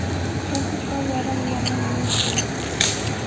Shatuqa waran waranmi upyan.